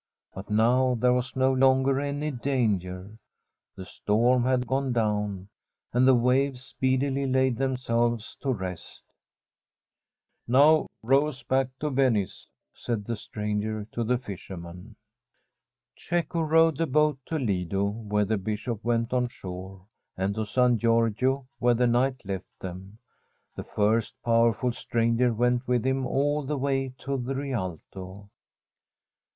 But now there was no longer any danger. The storm had gone down, and the waves speedily laid them selves to rest. * Now row us back to Venice,' said the stranger to the fisherman. Cecco rowed the boat to Lido, where the Bishop went on shore, and to San Giorgio, where the knight left them. The first powerful stranger went with him all the way to the Rialto.